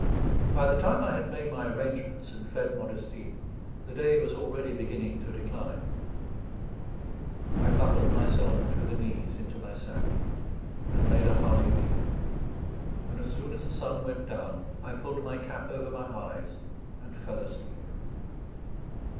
By the time I had made my arrangements and fed Modestine, the day was already beginning to decline. I buckled myself to the knees into my sack and made a hearty meal; and as soon as the sun went down I pulled my cap over my eyes and fell asleep.